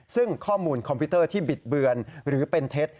ซึ่งข้อมูลคอมพิวเตอร์ที่บิดเบือนหรือเป็นเท็จ